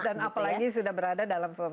dan apalagi sudah berada dalam film